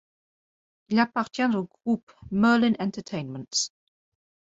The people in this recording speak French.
Il appartient au groupe Merlin Entertainments.